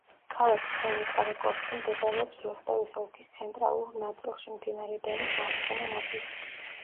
ქალაქი სემიკარაკორსკი მდებარეობს როსტოვის ოლქის ცენტრალურ ნაწილში, მდინარე დონის მარცხენა ნაპირზე.